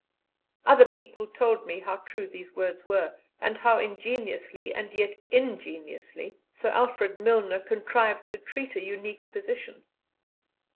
Other people told me how true these words were, and how ingeniously and yet ingenuously Sir Alfred Milner contrived to treat a unique position.